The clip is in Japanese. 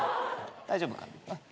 大丈夫かな？